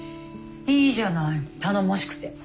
いいじゃない頼もしくて。